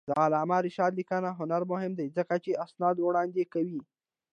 د علامه رشاد لیکنی هنر مهم دی ځکه چې اسناد وړاندې کوي.